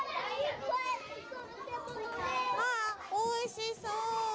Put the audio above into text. わあ、おいしそう。